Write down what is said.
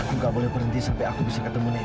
aku gak boleh berhenti sampai aku bisa ketemu nen